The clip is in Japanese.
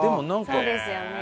そうですよね。